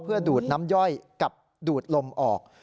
เพื่อดูดน้ำย่อยกับดูดลมออก